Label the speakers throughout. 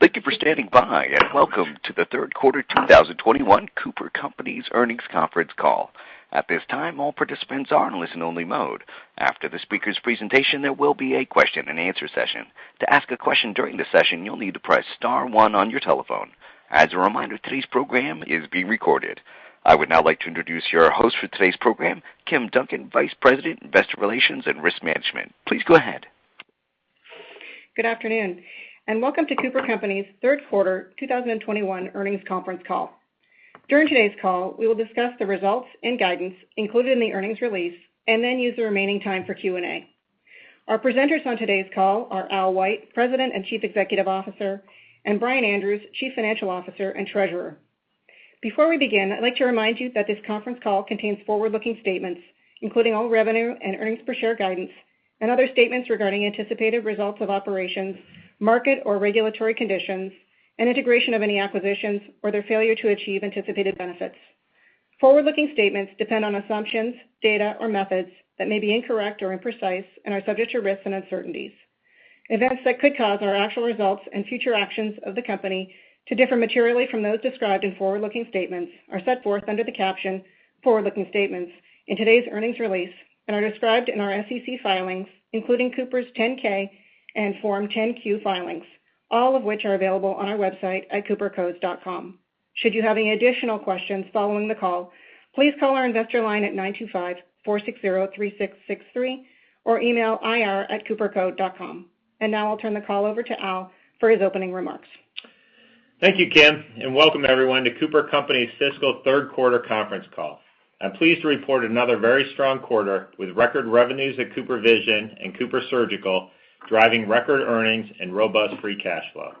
Speaker 1: Thank you for standing by. Welcome to the 3rd quarter 2021 The Cooper Companies earnings conference call. At this time, all participants are in listen only mode. After the speakers' presentation, there will be a question and answer session. To ask a question during the session, you'll need to press star one on your telephone. As a reminder, today's program is being recorded. I would now like to introduce your host for today's program, Kim Duncan, Vice President, Investor Relations and Risk Management. Please go ahead.
Speaker 2: Good afternoon, and welcome to The Cooper Companies' third quarter 2021 earnings conference call. During today's call, we will discuss the results and guidance included in the earnings release, and then use the remaining time for Q&A. Our presenters on today's call are Al White, President and Chief Executive Officer, and Brian Andrews, Chief Financial Officer and Treasurer. Before we begin, I'd like to remind you that this conference call contains forward-looking statements, including all revenue and earnings per share guidance, and other statements regarding anticipated results of operations, market or regulatory conditions, and integration of any acquisitions or their failure to achieve anticipated benefits. Forward-looking statements depend on assumptions, data, or methods that may be incorrect or imprecise and subject to risks and uncertainties. Events that could cause our actual results and future actions of the company to differ materially from those described in forward-looking statements are set forth under the caption Forward-Looking Statements in today's earnings release and are described in our SEC filings, including Cooper's 10-K and Form 10-Q filings, all of which are available on our website at coopercos.com. Should you have any additional questions following the call, please call our investor line at 925-460-3663, or email ir@coopercos.com. Now I'll turn the call over to Al for his opening remarks.
Speaker 3: Thank you, Kim, and welcome everyone to The Cooper Companies' fiscal third quarter conference call. I'm pleased to report another very strong quarter with record revenues at CooperVision and CooperSurgical driving record earnings and robust free cash flow.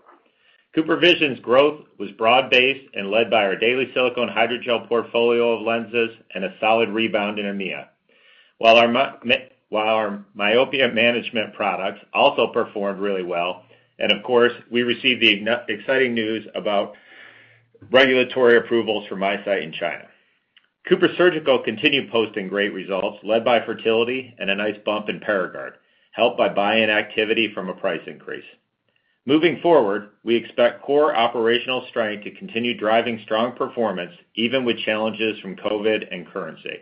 Speaker 3: CooperVision's growth was broad-based and led by our daily silicone hydrogel portfolio of lenses and a solid rebound in EMEA. While our myopia management products also performed really well, and of course, we received the exciting news about regulatory approvals for MiSight in China. CooperSurgical continued posting great results led by fertility and a nice bump in Paragard, helped by buy-in activity from a price increase. Moving forward, we expect core operational strength to continue driving strong performance even with challenges from COVID and currency.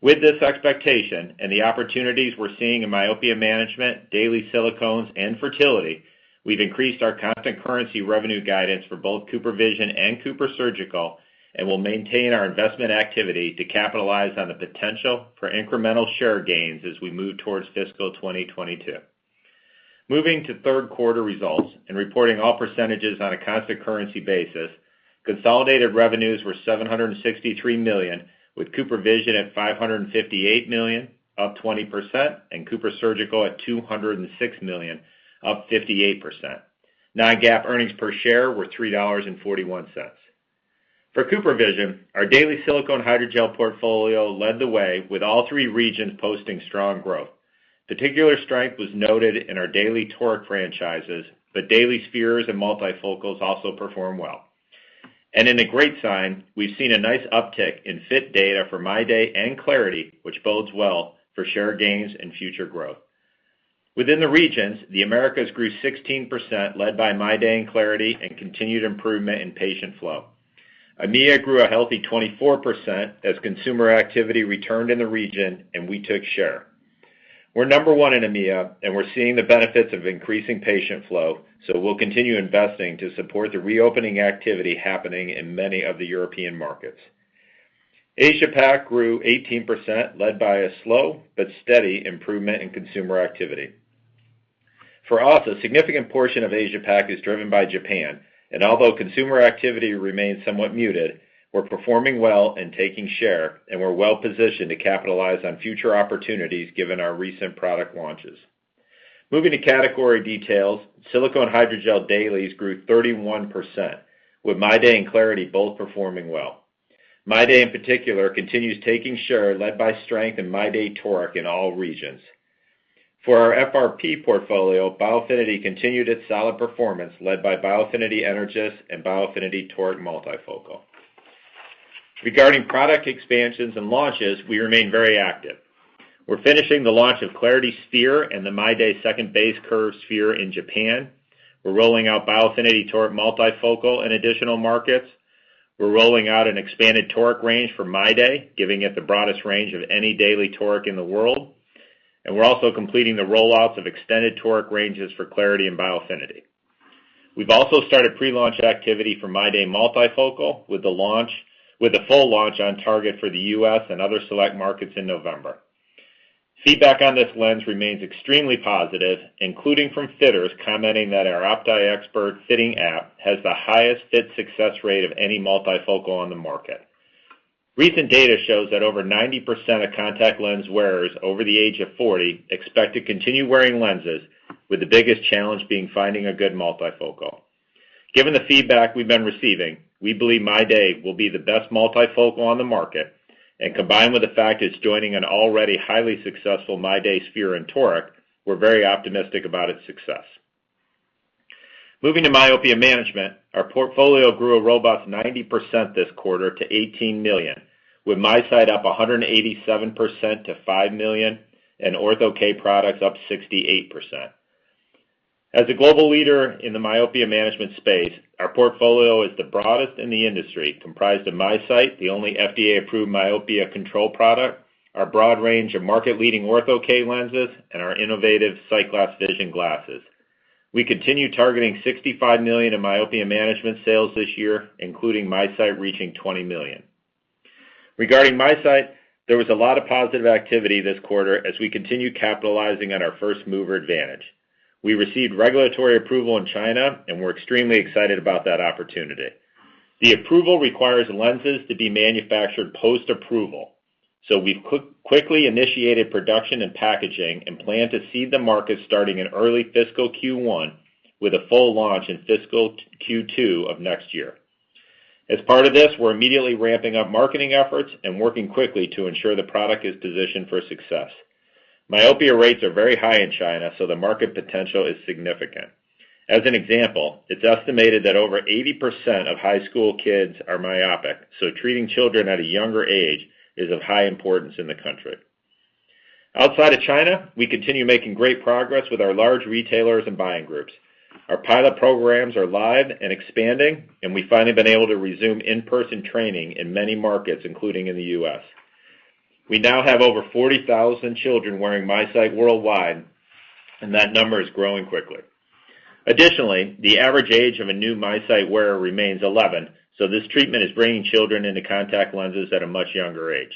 Speaker 3: With this expectation and the opportunities we're seeing in myopia management, daily silicone hydrogel, and fertility, we've increased our constant currency revenue guidance for both CooperVision and CooperSurgical and will maintain our investment activity to capitalize on the potential for incremental share gains as we move towards fiscal 2022. Moving to third quarter results and reporting all percentages on a constant currency basis, consolidated revenues were $763 million, with CooperVision at $558 million, up 20%, and CooperSurgical at $206 million, up 58%. Non-GAAP earnings per share were $3.41. For CooperVision, our daily silicone hydrogel portfolio led the way with all three regions posting strong growth. Particular strength was noted in our daily toric franchises, daily spheres and multifocals also performed well. In a great sign, we've seen a nice uptick in fit data for MyDay and clariti, which bodes well for share gains and future growth. Within the regions, the Americas grew 16%, led by MyDay and clariti, and continued improvement in patient flow. EMEA grew a healthy 24% as consumer activity returned in the region and we took share. We're number one in EMEA, we're seeing the benefits of increasing patient flow, so we'll continue investing to support the reopening activity happening in many of the European markets. Asia Pac grew 18%, led by a slow but steady improvement in consumer activity. For us, a significant portion of Asia Pac is driven by Japan, although consumer activity remains somewhat muted, we're performing well and taking share, we're well positioned to capitalize on future opportunities given our recent product launches. Moving to category details, silicone hydrogel dailies grew 31%, with MyDay and clariti both performing well. MyDay in particular continues taking share led by strength in MyDay Toric in all regions. For our FRP portfolio, Biofinity continued its solid performance led by Biofinity Energys and Biofinity toric multifocal. Regarding product expansions and launches, we remain very active. We're finishing the launch of clariti one day sphere and the MyDay second base curve sphere in Japan. We're rolling out Biofinity toric multifocal in additional markets. We're rolling out an expanded toric range for MyDay, giving it the broadest range of any daily toric in the world. We're also completing the rollouts of extended toric ranges for clariti and Biofinity. We've also started pre-launch activity for MyDay Multifocal with a full launch on target for the U.S. and other select markets in November. Feedback on this lens remains extremely positive, including from fitters commenting that our OptiExpert fitting app has the highest fit success rate of any multifocal on the market. Recent data shows that over 90% of contact lens wearers over the age of 40 expect to continue wearing lenses with the biggest challenge being finding a good multifocal. Given the feedback we've been receiving, we believe MyDay will be the best multifocal on the market, and combined with the fact it's joining an already highly successful MyDay sphere in Toric, we're very optimistic about its success. Moving to myopia management, our portfolio grew a robust 90% this quarter to $18 million. With MiSight up 187% to $5 million, and Ortho-K products up 68%. As a global leader in the myopia management space, our portfolio is the broadest in the industry, comprised of MiSight, the only FDA-approved myopia control product, our broad range of market-leading Ortho-K lenses, and our innovative SightGlass Vision glasses. We continue targeting $65 million in myopia management sales this year, including MiSight reaching $20 million. Regarding MiSight, there was a lot of positive activity this quarter as we continue capitalizing on our first-mover advantage. We received regulatory approval in China, and we're extremely excited about that opportunity. The approval requires lenses to be manufactured post-approval. We've quickly initiated production and packaging and plan to seed the market starting in early fiscal Q1, with a full launch in fiscal Q2 of next year. As part of this, we're immediately ramping up marketing efforts and working quickly to ensure the product is positioned for success. Myopia rates are very high in China, the market potential is significant. As an example, it's estimated that over 80% of high school kids are myopic, treating children at a younger age is of high importance in the country. Outside of China, we continue making great progress with our large retailers and buying groups. Our pilot programs are live and expanding, and we've finally been able to resume in-person training in many markets, including in the U.S. We now have over 40,000 children wearing MiSight worldwide, and that number is growing quickly. Additionally, the average age of a new MiSight wearer remains 11, so this treatment is bringing children into contact lenses at a much younger age.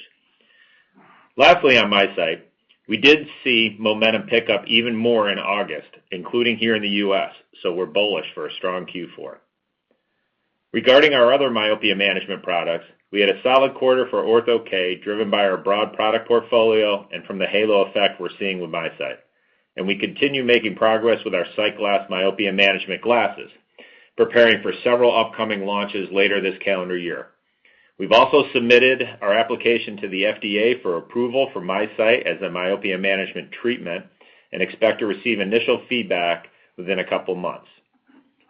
Speaker 3: Lastly, on MiSight, we did see momentum pick up even more in August, including here in the U.S., so we're bullish for a strong Q4. Regarding our other myopia management products, we had a solid quarter for Ortho-K, driven by our broad product portfolio and from the halo effect we're seeing with MiSight. We continue making progress with our SightGlass myopia management glasses, preparing for several upcoming launches later this calendar year. We've also submitted our application to the FDA for approval for MiSight as a myopia management treatment and expect to receive initial feedback within a couple of months.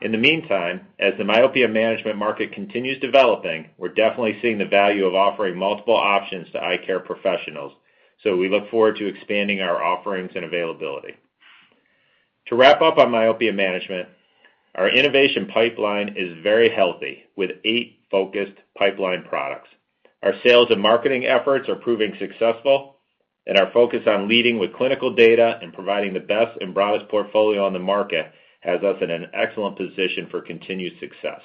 Speaker 3: In the meantime, as the myopia management market continues developing, we're definitely seeing the value of offering multiple options to eye care professionals. We look forward to expanding our offerings and availability. To wrap up on myopia management, our innovation pipeline is very healthy, with eight focused pipeline products. Our sales and marketing efforts are proving successful. Our focus on leading with clinical data and providing the best and broadest portfolio on the market has us in an excellent position for continued success.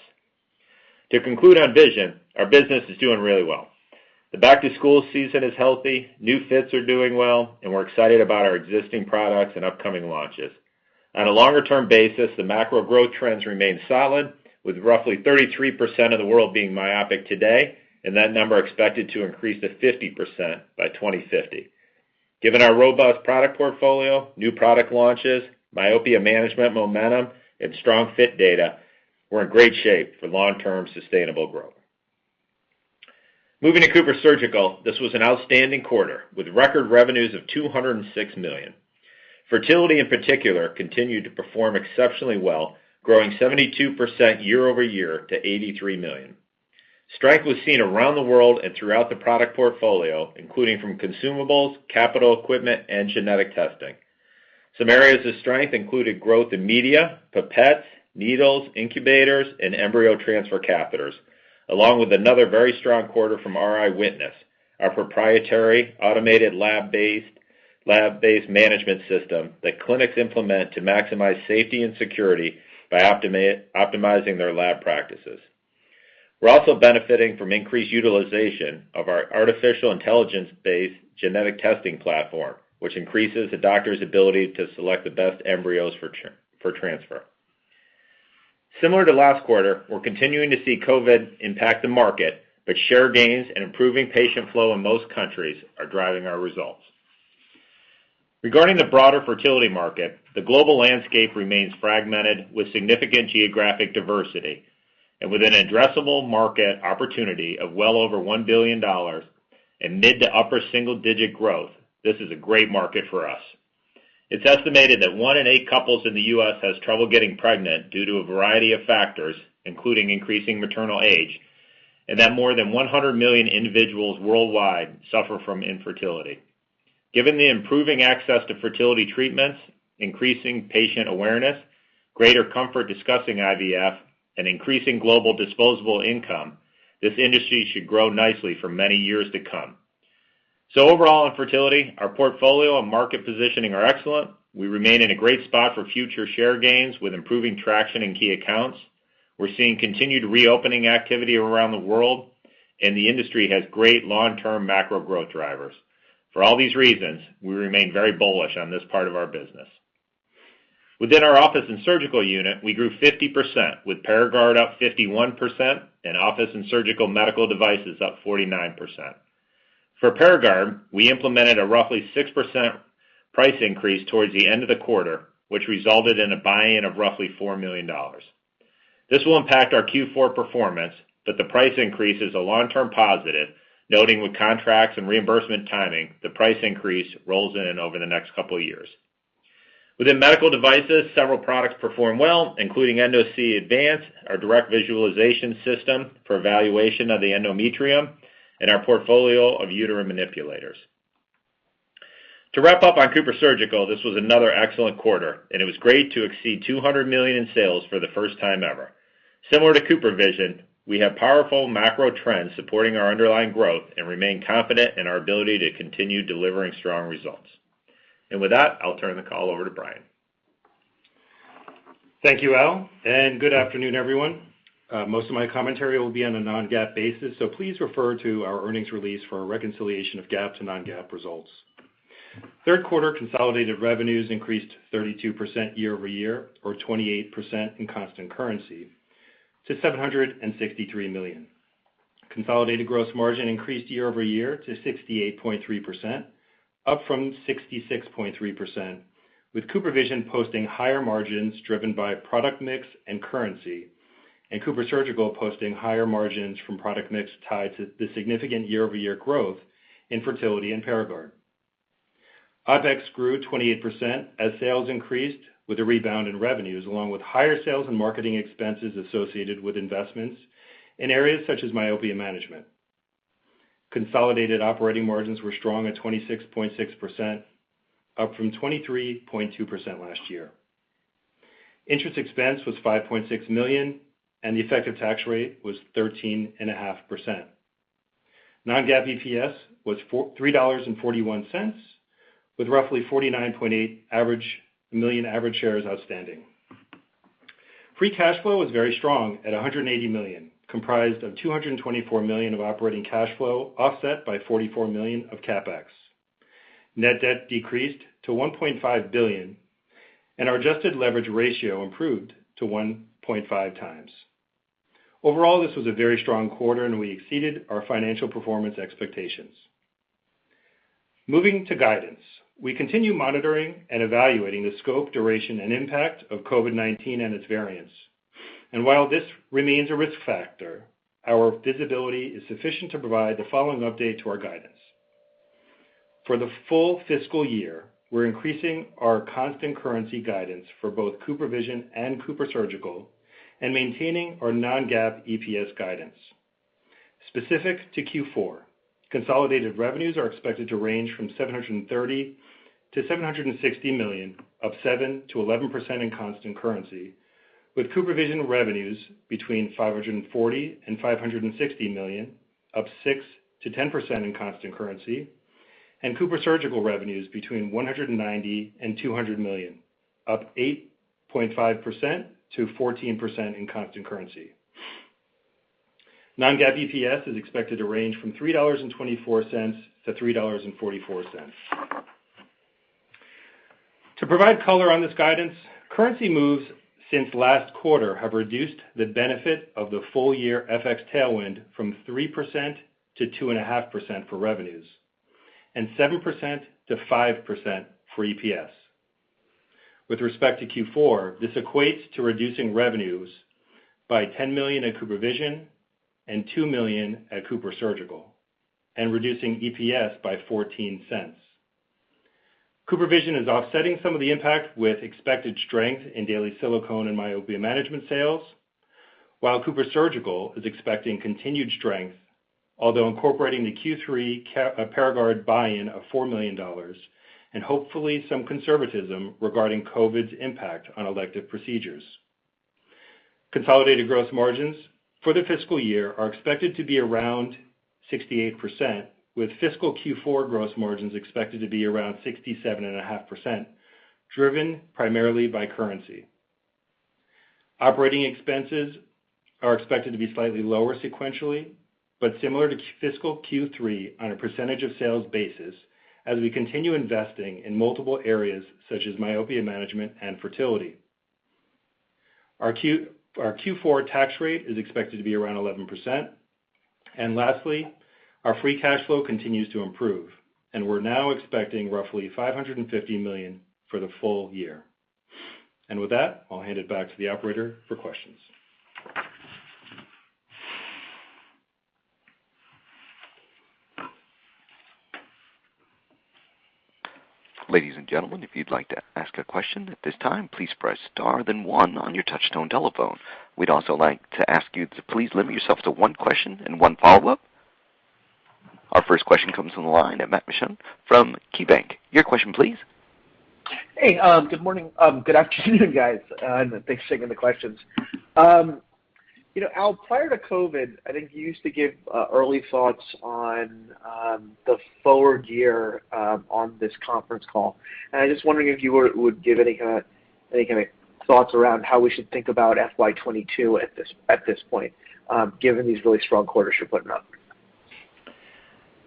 Speaker 3: To conclude on vision, our business is doing really well. The back-to-school season is healthy, new fits are doing well. We're excited about our existing products and upcoming launches. On a longer-term basis, the macro growth trends remain solid, with roughly 33% of the world being myopic today, and that number expected to increase to 50% by 2050. Given our robust product portfolio, new product launches, myopia management momentum, and strong fit data, we're in great shape for long-term sustainable growth. Moving to CooperSurgical, this was an outstanding quarter, with record revenues of $206 million. Fertility, in particular, continued to perform exceptionally well, growing 72% year-over-year to $83 million. Strength was seen around the world and throughout the product portfolio, including from consumables, capital equipment, and genetic testing. Some areas of strength included growth in media, pipettes, needles, incubators, and embryo transfer catheters, along with another very strong quarter from RI Witness, our proprietary automated lab-based management system that clinics implement to maximize safety and security by optimizing their lab practices. We're also benefiting from increased utilization of our artificial intelligence-based genetic testing platform, which increases the doctor's ability to select the best embryos for transfer. Similar to last quarter, we're continuing to see COVID impact the market, but share gains and improving patient flow in most countries are driving our results. Regarding the broader fertility market, the global landscape remains fragmented with significant geographic diversity. With an addressable market opportunity of well over $1 billion and mid to upper single-digit growth, this is a great market for us. It's estimated that one in eight couples in the U.S. has trouble getting pregnant due to a variety of factors, including increasing maternal age, and that more than 100 million individuals worldwide suffer from infertility. Given the improving access to fertility treatments, increasing patient awareness, greater comfort discussing IVF, and increasing global disposable income, this industry should grow nicely for many years to come. Overall in fertility, our portfolio and market positioning are excellent. We remain in a great spot for future share gains with improving traction in key accounts. We're seeing continued reopening activity around the world, and the industry has great long-term macro growth drivers. For all these reasons, we remain very bullish on this part of our business. Within our office and surgical unit, we grew 50%, with Paragard up 51% and office and surgical medical devices up 49%. For Paragard, we implemented a roughly 6% price increase towards the end of the quarter, which resulted in a buy-in of roughly $4 million. This will impact our Q4 performance, but the price increase is a long-term positive, noting with contracts and reimbursement timing, the price increase rolls in and over the next couple of years. Within medical devices, several products performed well, including Endosee Advance, our direct visualization system for evaluation of the endometrium, and our portfolio of uterine manipulators. To wrap up on CooperSurgical, this was another excellent quarter, and it was great to exceed $200 million in sales for the first time ever. Similar to CooperVision, we have powerful macro trends supporting our underlying growth and remain confident in our ability to continue delivering strong results. With that, I'll turn the call over to Brian.
Speaker 4: Thank you, Al. Good afternoon, everyone. Most of my commentary will be on a non-GAAP basis. Please refer to our earnings release for a reconciliation of GAAP to non-GAAP results. Third quarter consolidated revenues increased 32% year-over-year, or 28% in constant currency to $763 million. Consolidated gross margin increased year-over-year to 68.3%, up from 66.3%, with CooperVision posting higher margins driven by product mix and currency, and CooperSurgical posting higher margins from product mix tied to the significant year-over-year growth in fertility and Paragard. OPEX grew 28% as sales increased with a rebound in revenues, along with higher sales and marketing expenses associated with investments in areas such as myopia management. Consolidated operating margins were strong at 26.6%, up from 23.2% last year. Interest expense was $5.6 million, and the effective tax rate was 13.5%. Non-GAAP EPS was $3.41, with roughly 49.8 million average shares outstanding. Free cash flow was very strong at $180 million, comprised of $224 million of operating cash flow offset by $44 million of CapEx. Net debt decreased to $1.5 billion, and our adjusted leverage ratio improved to 1.5x. Overall, this was a very strong quarter, and we exceeded our financial performance expectations. Moving to guidance, we continue monitoring and evaluating the scope, duration, and impact of COVID-19 and its variants. While this remains a risk factor, our visibility is sufficient to provide the following update to our guidance. For the full fiscal year, we're increasing our constant currency guidance for both CooperVision and CooperSurgical and maintaining our non-GAAP EPS guidance. Specific to Q4, consolidated revenues are expected to range from $730 million-$760 million, up 7%-11% in constant currency, with CooperVision revenues between $540 million-$560 million, up 6%-10% in constant currency, and CooperSurgical revenues between $190 million-$200 million, up 8.5%-14% in constant currency. non-GAAP EPS is expected to range from $3.24-$3.44. To provide color on this guidance, currency moves since last quarter have reduced the benefit of the full year FX tailwind from 3%-2.5% for revenues and 7%-5% for EPS. With respect to Q4, this equates to reducing revenues by $10 million at CooperVision and $2 million at CooperSurgical and reducing EPS by $0.14. CooperVision is offsetting some of the impact with expected strength in daily silicone and myopia management sales, while CooperSurgical is expecting continued strength, although incorporating the Q3 Paragard buy-in of $4 million and hopefully some conservatism regarding COVID's impact on elective procedures. Consolidated gross margins for the fiscal year are expected to be around 68%, with fiscal Q4 gross margins expected to be around 67.5%, driven primarily by currency. Operating expenses are expected to be slightly lower sequentially, but similar to fiscal Q3 on a percentage of sales basis, as we continue investing in multiple areas such as myopia management and fertility. Lastly, our Q4 tax rate is expected to be around 11%. Our free cash flow continues to improve, and we're now expecting roughly $550 million for the full year. With that, I'll hand it back to the operator for questions.
Speaker 1: Ladies and gentlemen, if you'd like to ask a question at this time, please press star then one on your touch tone telephone. We will also like to ask you to please limit yourself to one question and one follow-up. Our first question comes on the line at Matt Mishan from KeyBanc. Your question please.
Speaker 5: Hey, good morning. Good afternoon, guys. Thanks for taking the questions. Al, prior to COVID, I think you used to give early thoughts on the forward year on this conference call. I was just wondering if you would give any kind of thoughts around how we should think about FY 2022 at this point, given these really strong quarters you're putting up.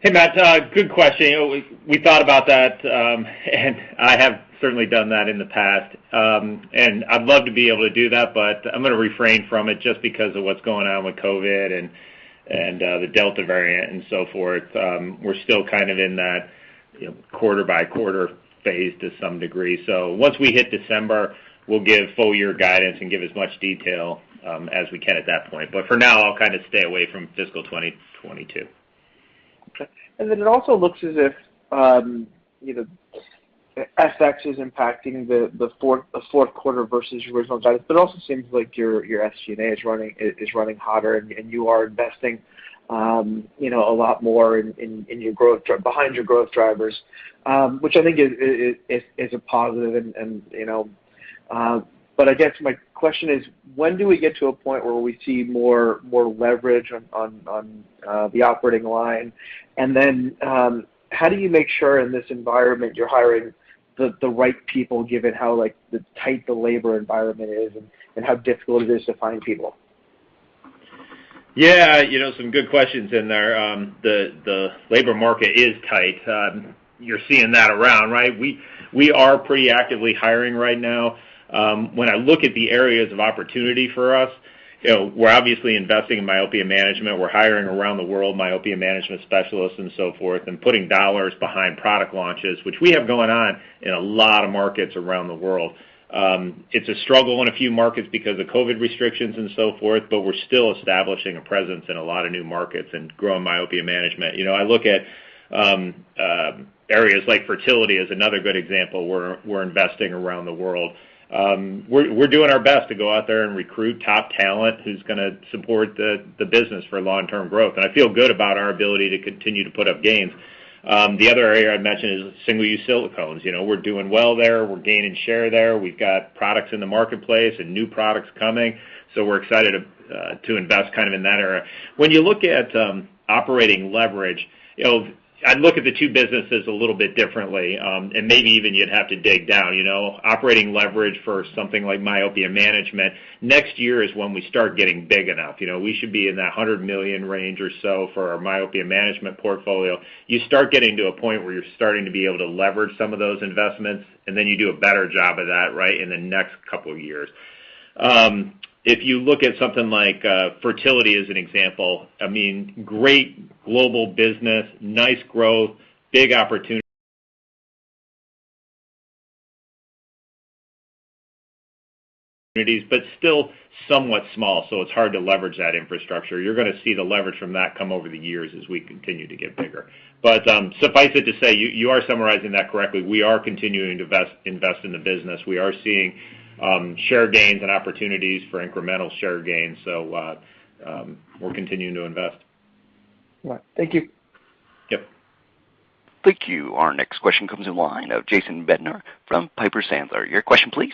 Speaker 3: Hey, Matt. Good question. We thought about that, and I have certainly done that in the past. I'd love to be able to do that, but I'm going to refrain from it just because of what's going on with COVID and the Delta variant and so forth. We're still kind of in that quarter-by-quarter phase to some degree. Once we hit December, we'll give full year guidance and give as much detail as we can at that point. For now, I'll kind of stay away from fiscal 2022.
Speaker 5: It also looks as if FX is impacting the fourth quarter versus your original guidance, but it also seems like your SG&A is running hotter, and you are investing a lot more behind your growth drivers, which I think is a positive. I guess my question is: when do we get to a point where we see more leverage on the operating line? How do you make sure in this environment you're hiring the right people, given how tight the labor environment is and how difficult it is to find people?
Speaker 3: Some good questions in there. The labor market is tight. You're seeing that around, right? We are pretty actively hiring right now. When I look at the areas of opportunity for us, we're obviously investing in myopia management. We're hiring around the world myopia management specialists and so forth, and putting dollars behind product launches, which we have going on in a lot of markets around the world. It's a struggle in a few markets because of COVID restrictions and so forth, but we're still establishing a presence in a lot of new markets and growing myopia management. I look at areas like fertility as another good example, where we're investing around the world. We're doing our best to go out there and recruit top talent who's going to support the business for long-term growth, and I feel good about our ability to continue to put up gains. The other area I'd mention is single-use silicones. We're doing well there. We're gaining share there. We've got products in the marketplace and new products coming, so we're excited to invest in that area. When you look at operating leverage, I'd look at the two businesses a little bit differently, and maybe even you'd have to dig down. Operating leverage for something like myopia management, next year is when we start getting big enough. We should be in that $100 million range or so for our myopia management portfolio. You start getting to a point where you're starting to be able to leverage some of those investments, and then you do a better job of that right in the next couple of years. If you look at something like fertility as an example, great global business, nice growth, big opportunities, but still somewhat small, so it's hard to leverage that infrastructure. You're going to see the leverage from that come over the years as we continue to get bigger. Suffice it to say, you are summarizing that correctly. We are continuing to invest in the business. We are seeing share gains and opportunities for incremental share gains. We're continuing to invest.
Speaker 5: Right. Thank you.
Speaker 3: Yep.
Speaker 1: Thank you. Our next question comes in line of Jason Bednar from Piper Sandler. Your question, please.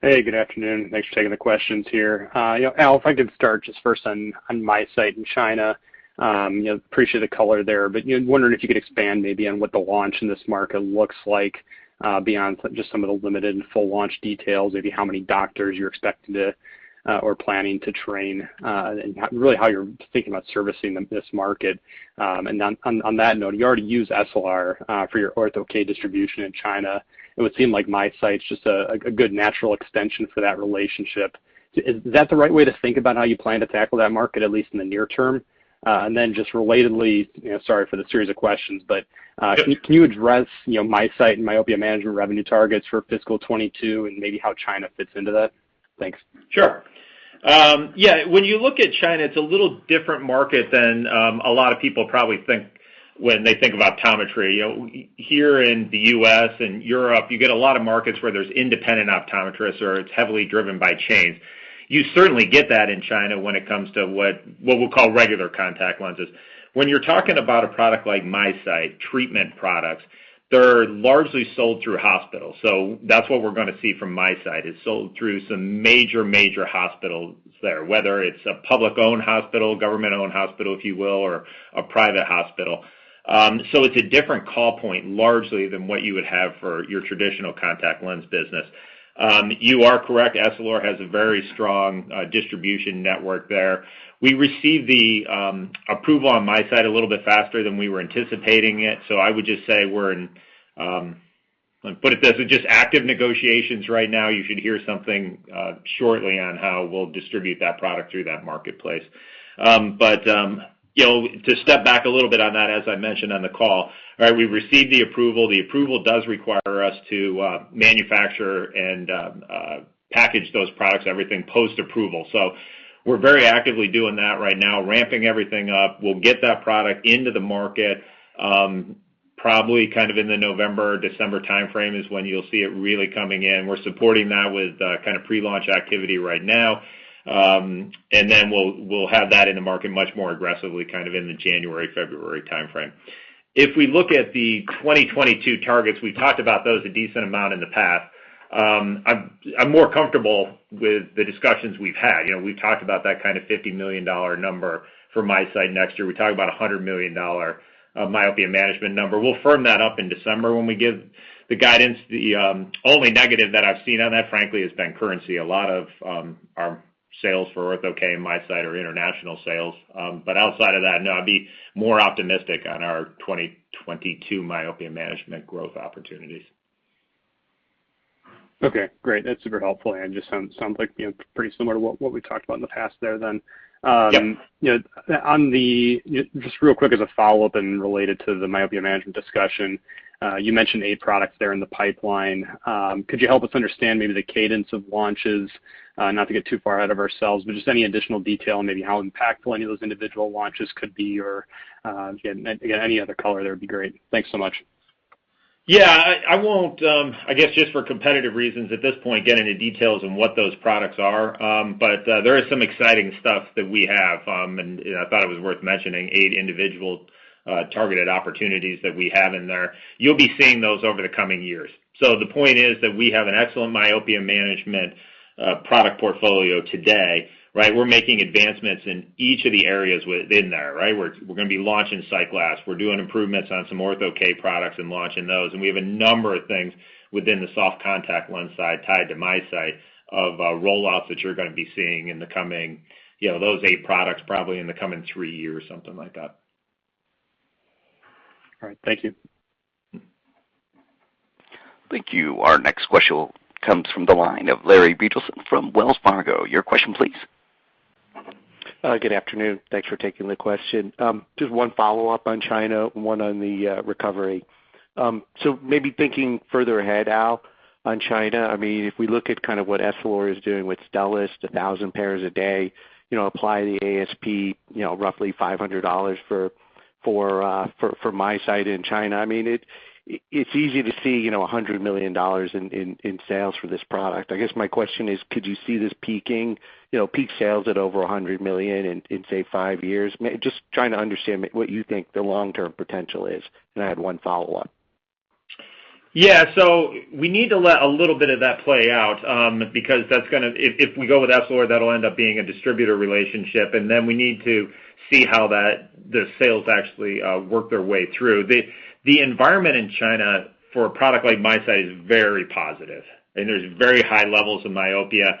Speaker 6: Hey, good afternoon. Thanks for taking the questions here. Al, if I could start just first on MiSight in China. Appreciate the color there, but wondering if you could expand maybe on what the launch in this market looks like beyond just some of the limited and full launch details, maybe how many doctors you're expecting to or planning to train, and really how you're thinking about servicing this market. On that note, you already use Essilor for your Ortho-K distribution in China. It would seem like MiSight's just a good natural extension for that relationship. Is that the right way to think about how you plan to tackle that market, at least in the near term? Then just relatedly, sorry for the series of questions, but.
Speaker 3: Sure
Speaker 6: Can you address MiSight and myopia management revenue targets for fiscal 2022 and maybe how China fits into that? Thanks.
Speaker 3: Sure. When you look at China, it's a little different market than a lot of people probably think when they think of optometry. Here in the U.S. and Europe, you get a lot of markets where there's independent optometrists, or it's heavily driven by chains. You certainly get that in China when it comes to what we'll call regular contact lenses. When you're talking about a product like MiSight, treatment products, they're largely sold through hospitals. That's what we're going to see from MiSight. It's sold through some major hospitals there, whether it's a public-owned hospital, government-owned hospital, if you will, or a private hospital. It's a different call point largely than what you would have for your traditional contact lens business. You are correct, Essilor has a very strong distribution network there. We received the approval on MiSight a little bit faster than we were anticipating it. I would just say we're in active negotiations right now. You should hear something shortly on how we'll distribute that product through that marketplace. To step back a little bit on that, as I mentioned on the call, we received the approval. The approval does require us to manufacture and package those products, everything post-approval. We're very actively doing that right now, ramping everything up. We'll get that product into the market, probably in the November, December timeframe is when you'll see it really coming in. We're supporting that with pre-launch activity right now. We'll have that in the market much more aggressively in the January, February timeframe. If we look at the 2022 targets, we've talked about those a decent amount in the past. I'm more comfortable with the discussions we've had. We've talked about that kind of $50 million number for MiSight next year. We talked about a $100 million myopia management number. We'll firm that up in December when we give the guidance. The only negative that I've seen on that, frankly, has been currency. A lot of our sales for Ortho-K and MiSight are international sales. Outside of that, no, I'd be more optimistic on our 2022 myopia management growth opportunities.
Speaker 6: Okay, great. That's super helpful, and just sounds pretty similar to what we talked about in the past there then.
Speaker 3: Yep.
Speaker 6: Just real quick as a follow-up and related to the myopia management discussion, you mentioned eight products there in the pipeline. Could you help us understand maybe the cadence of launches? Not to get too far ahead of ourselves, just any additional detail on maybe how impactful any of those individual launches could be, or again, any other color there would be great. Thanks so much.
Speaker 3: I won't just for competitive reasons at this point, get into details on what those products are. There is some exciting stuff that we have, and I thought it was worth mentioning eight individual targeted opportunities that we have in there. You'll be seeing those over the coming years. The point is that we have an excellent myopia management product portfolio today. Right. We're making advancements in each of the areas within there. Right. We're going to be launching SightGlass. We're doing improvements on some Ortho-K products and launching those, and we have a number of things within the soft contact lens side tied to MiSight of rollouts that you're going to be seeing, those eight products probably in the coming three years, something like that.
Speaker 6: All right. Thank you.
Speaker 1: Thank you. Our next question comes from the line of Larry Biegelsen from Wells Fargo. Your question please.
Speaker 7: Good afternoon. Thanks for taking the question. Just one follow-up on China and one on the recovery. Maybe thinking further ahead, Al, on China, if we look at kind of what Essilor is doing with Stellest, 1,000 pairs a day, apply the ASP, roughly $500 for MiSight in China. It's easy to see $100 million in sales for this product. I guess my question is, could you see this peaking, peak sales at over $100 million in, say, five years? Just trying to understand what you think the long-term potential is. I had one follow-up.
Speaker 3: Yeah. We need to let a little bit of that play out, because if we go with Essilor, that'll end up being a distributor relationship, and then we need to see how the sales actually work their way through. The environment in China for a product like MiSight is very positive, and there's very high levels of myopia.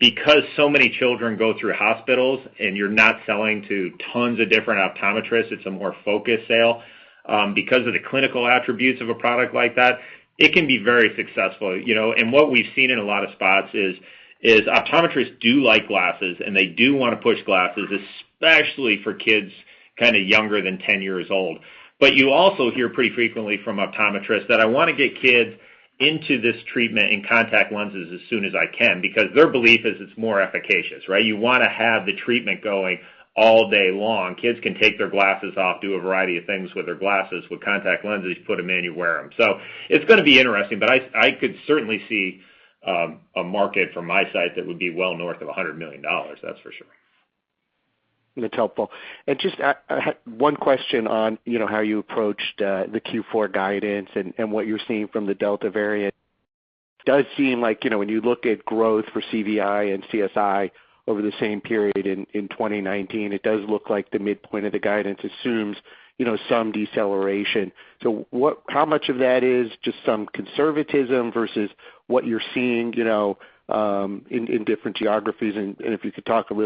Speaker 3: Because so many children go through hospitals and you're not selling to tons of different optometrists, it's a more focused sale. Because of the clinical attributes of a product like that, it can be very successful. What we've seen in a lot of spots is optometrists do like glasses, and they do want to push glasses, especially for kids kind of younger than 10 years old. You also hear pretty frequently from optometrists that, "I want to get kids into this treatment in contact lenses as soon as I can," because their belief is it's more efficacious. Right. You want to have the treatment going all day long. Kids can take their glasses off, do a variety of things with their glasses. With contact lenses, you put them in, you wear them. It's going to be interesting, but I could certainly see a market for MiSight that would be well north of $100 million, that's for sure.
Speaker 7: Just one question on how you approached the Q4 guidance and what you're seeing from the Delta variant. It does seem like, when you look at growth for CVI and CSI over the same period in 2019, it does look like the midpoint of the guidance assumes some deceleration. How much of that is just some conservatism versus what you're seeing in different geographies? If you could give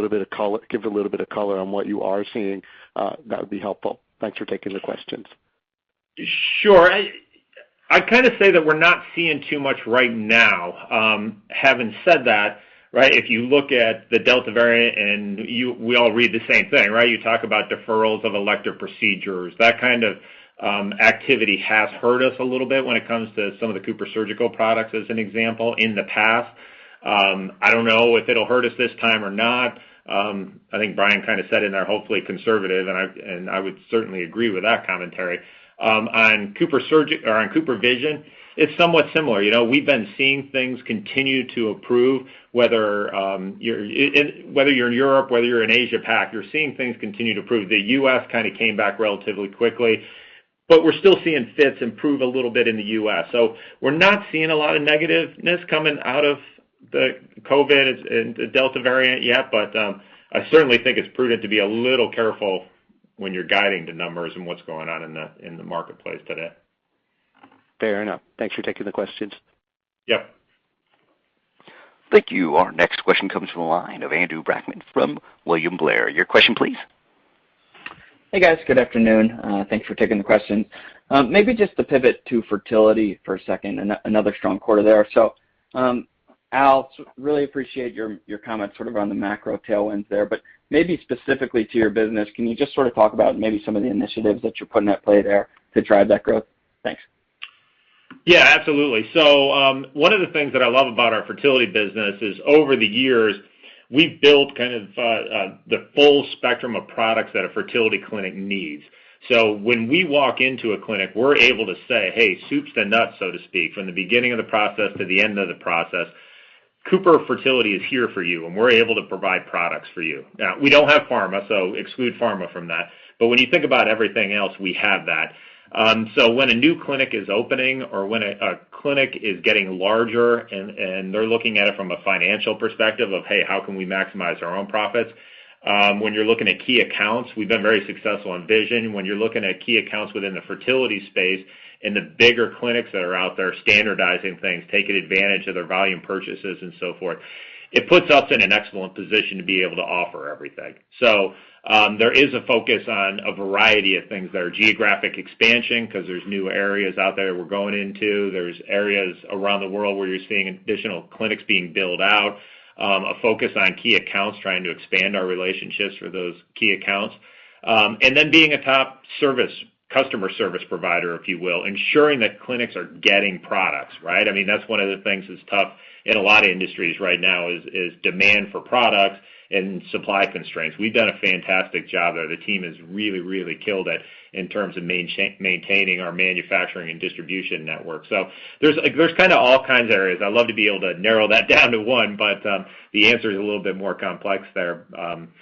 Speaker 7: a little bit of color on what you are seeing, that would be helpful. Thanks for taking the questions.
Speaker 3: Sure. I kind of say that we're not seeing too much right now. Having said that, if you look at the Delta variant, we all read the same thing, right? You talk about deferrals of elective procedures. That kind of activity has hurt us a little bit when it comes to some of the CooperSurgical products, as an example, in the past. I don't know if it'll hurt us this time or not. I think Brian kind of said in our hopefully conservative, I would certainly agree with that commentary. On CooperVision, it's somewhat similar. We've been seeing things continue to improve, whether you're in Europe, whether you're in Asia Pac, you're seeing things continue to improve. The U.S. kind of came back relatively quickly, we're still seeing fits improve a little bit in the U.S. We're not seeing a lot of negativeness coming out of the COVID and the Delta variant yet, but I certainly think it's prudent to be a little careful when you're guiding the numbers and what's going on in the marketplace today.
Speaker 7: Fair enough. Thanks for taking the questions.
Speaker 3: Yep.
Speaker 1: Thank you. Our next question comes from the line of Andrew Brackmann from William Blair. Your question please.
Speaker 8: Hey, guys. Good afternoon. Thanks for taking the questions. Maybe just to pivot to fertility for a second, another strong quarter there. Al, really appreciate your comments sort of on the macro tailwinds there. Maybe specifically to your business, can you just sort of talk about maybe some of the initiatives that you're putting at play there to drive that growth? Thanks.
Speaker 3: Absolutely. One of the things that I love about our fertility business is over the years, we've built kind of the full spectrum of products that a fertility clinic needs. When we walk into a clinic, we're able to say, "Hey, soups to nuts," so to speak, "From the beginning of the process to the end of the process, Cooper Fertility is here for you, and we're able to provide products for you." Now, we don't have pharma, so exclude pharma from that. When you think about everything else, we have that. When a new clinic is opening or when a clinic is getting larger and they're looking at it from a financial perspective of, "Hey, how can we maximize our own profits?" When you're looking at key accounts, we've been very successful in Vision. When you're looking at key accounts within the fertility space and the bigger clinics that are out there standardizing things, taking advantage of their volume purchases and so forth, it puts us in an excellent position to be able to offer everything. There is a focus on a variety of things that are geographic expansion because there's new areas out there we're going into. There's areas around the world where you're seeing additional clinics being built out, a focus on key accounts, trying to expand our relationships with those key accounts. Being a top customer service provider, if you will, ensuring that clinics are getting products. That's one of the things that's tough in a lot of industries right now is demand for products and supply constraints. We've done a fantastic job there. The team has really killed it in terms of maintaining our manufacturing and distribution network. There's all kinds of areas. I'd love to be able to narrow that down to one, but the answer is a little bit more complex there.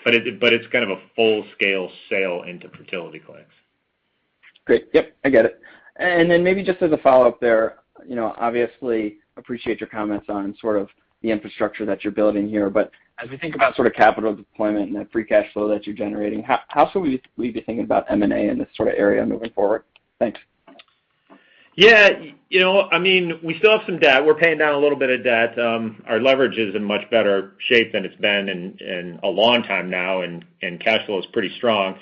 Speaker 3: It's kind of a full-scale sail into fertility clinics.
Speaker 8: Great. Yep, I get it. Then maybe just as a follow-up there, obviously appreciate your comments on sort of the infrastructure that you're building here, as we think about capital deployment and that free cash flow that you're generating, how should we be thinking about M&A in this sort of area moving forward? Thanks.
Speaker 3: We still have some debt. We're paying down a little bit of debt. Our leverage is in much better shape than it's been in a long time now, and cash flow is pretty strong.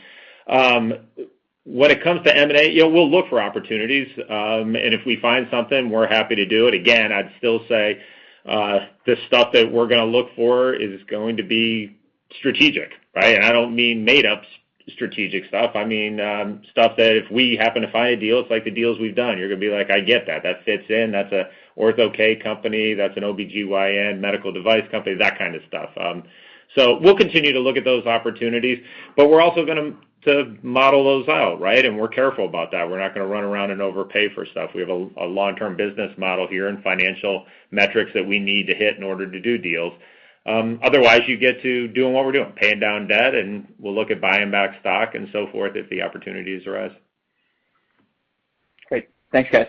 Speaker 3: When it comes to M&A, we'll look for opportunities, and if we find something, we're happy to do it. I'd still say, the stuff that we're going to look for is going to be strategic. I don't mean made-up strategic stuff. I mean, stuff that if we happen to find a deal, it's like the deals we've done. You're going to be like, "I get that. That fits in. That's an Ortho-K company. That's an OBGYN medical device company," that kind of stuff. We'll continue to look at those opportunities. We're also going to model those out. We're careful about that. We're not going to run around and overpay for stuff. We have a long-term business model here and financial metrics that we need to hit in order to do deals. Otherwise, you get to doing what we're doing, paying down debt, and we'll look at buying back stock and so forth if the opportunities arise.
Speaker 8: Great. Thanks, guys.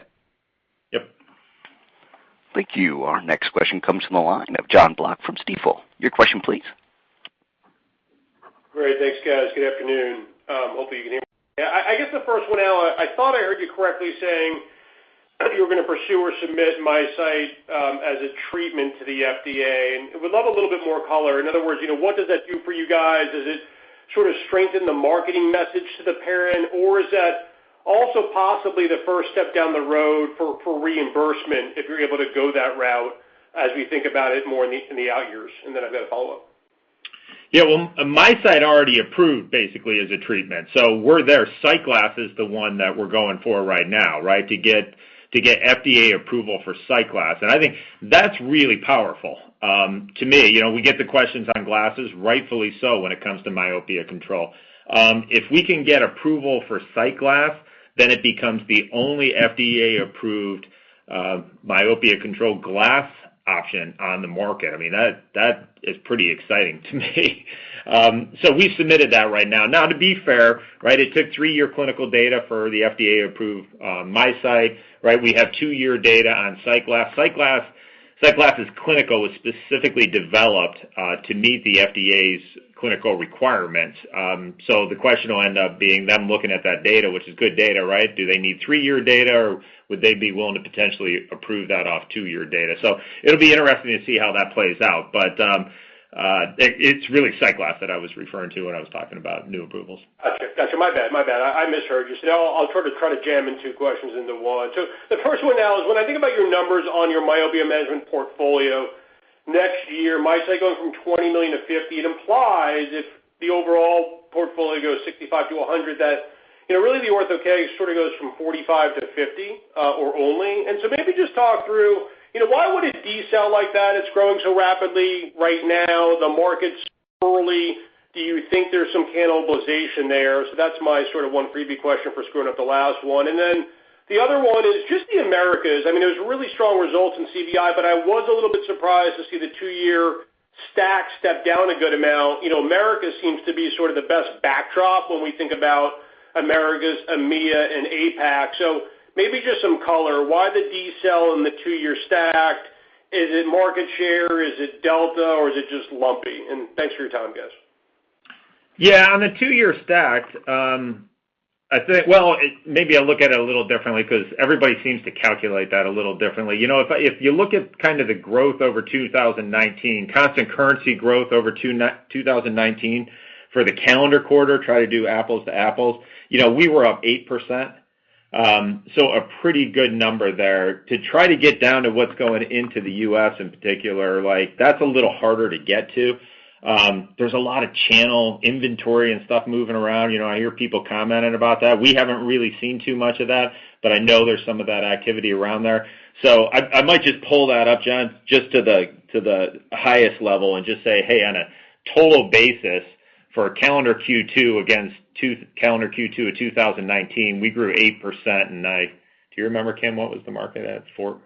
Speaker 3: Yep.
Speaker 1: Thank you. Our next question comes from the line of Jonathan Block from Stifel. Your question, please.
Speaker 9: Great. Thanks, guys. Good afternoon. Hopefully you can hear me. I guess the first one, Al, I thought I heard you correctly saying that you were going to pursue or submit MiSight as a treatment to the FDA, and would love a little bit more color. In other words, what does that do for you guys? Does it sort of strengthen the marketing message to the parent, or is that also possibly the first step down the road for reimbursement if you're able to go that route as we think about it more in the out years? Then I've got a follow-up.
Speaker 3: Well, MiSight already approved basically as a treatment. We're there. MiSight is the one that we're going for right now to get FDA approval for MiSight. I think that's really powerful. To me, we get the questions on glasses, rightfully so, when it comes to myopia control. If we can get approval for MiSight, then it becomes the only FDA-approved myopia control glass option on the market. That is pretty exciting to me. We've submitted that right now. Now, to be fair, it took three-year clinical data for the FDA to approve MiSight. We have two-year data on MiSight. MiSight's clinical was specifically developed to meet the FDA's clinical requirements. The question will end up being them looking at that data, which is good data. Do they need three-year data, or would they be willing to potentially approve that off two-year data? It'll be interesting to see how that plays out. It's really MiSight that I was referring to when I was talking about new approvals.
Speaker 9: Okay. Got you. My bad. I misheard you. I'll try to jam in two questions into one. The first one, Al, is when I think about your numbers on your myopia management portfolio next year, MiSight going from $20 million to $50 million, it implies if the overall portfolio goes $65 million to $100 million that really the Ortho-K sort of goes from $45 million to $50 million, or only. Maybe just talk through, why would it decel like that? It's growing so rapidly right now. The market's early. Do you think there's some cannibalization there? That's my sort of one preview question for screwing up the last one. The other one is just the Americas. There's really strong results in CVI, but I was a little bit surprised to see the two-year stack step down a good amount. America seems to be sort of the best backdrop when we think about Americas, EMEIA, and APAC. Maybe just some color. Why the decel in the two-year stack? Is it market share? Is it Delta, or is it just lumpy? Thanks for your time, guys.
Speaker 3: On the two-year stacks, well, maybe I look at it a little differently because everybody seems to calculate that a little differently. If you look at kind of the growth over 2019, constant currency growth over 2019 for the calendar quarter, try to do apples to apples, we were up 8%, so a pretty good number there. To try to get down to what's going into the U.S. in particular, that's a little harder to get to. There's a lot of channel inventory and stuff moving around. I hear people commenting about that. We haven't really seen too much of that, but I know there's some of that activity around there. I might just pull that up, John, just to the highest level and just say, hey, on a total basis for calendar Q2 against calendar Q2 of 2019, we grew 8%. Do you remember, Kim, what was the market at? 4%.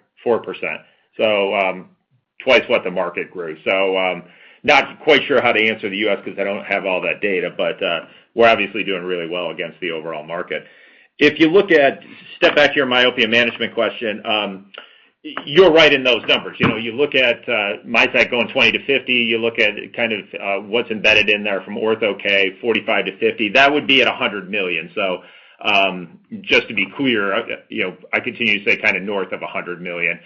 Speaker 3: Twice what the market grew. Not quite sure how to answer the U.S. because I don't have all that data, but we're obviously doing really well against the overall market. If you step back to your myopia management question, you're right in those numbers. You look at MiSight going 20 to 50. You look at kind of what's embedded in there from Ortho-K, 45 to 50. That would be at $100 million. Just to be clear, I continue to say kind of north of $100 million.